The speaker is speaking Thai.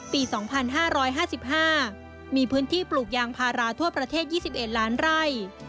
ปี๒๕๕๕มีพื้นที่ปลูกยางพาราทั่วประเทศ๒๑ล้านไร่